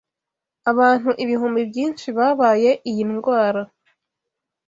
Abantu ibihumbi byinshi babaye iyi ndwara.